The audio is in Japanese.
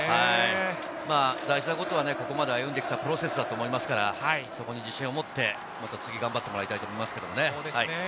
大事なことは、ここまで歩んできたプロセスだと思いますから、自信を持って次、頑張ってもらいたいと思います。